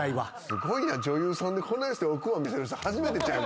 すごいな女優さんでこんなんして奥歯見せる人初めてちゃいます？